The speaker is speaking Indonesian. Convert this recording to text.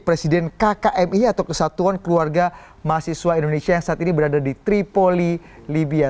presiden kkmi atau kesatuan keluarga mahasiswa indonesia yang saat ini berada di tripoli libya